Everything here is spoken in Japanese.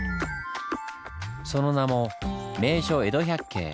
その名も「名所江戸百景」。